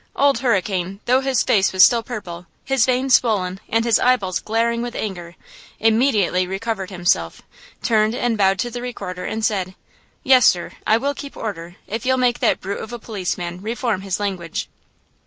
Old Hurricane, though his face was still purple, his veins swollen and his eyeballs glaring with anger, immediately recovered himself, turned and bowed to the Recorder and said: "Yes, sir, I will keep order, if you'll make that brute of a policeman reform his language!"